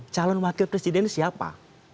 calon wakil presiden siapa